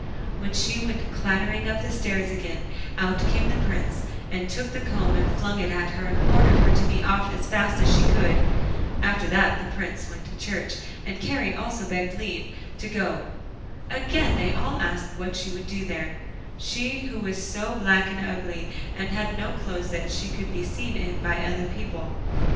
When she went clattering up the stairs again, out came the Prince and took the comb and flung it at her, and ordered her to be off as fast as she could. After that the Prince went to church, and Kari also begged for leave to go. Again they all asked what she would do there, she who was so black and ugly, and had no clothes that she could be seen in by other people.